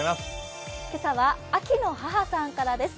今朝は、あきの母さんからです。